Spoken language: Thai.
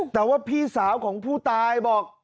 แต่ว่าพี่สาวของผู้ตายบอก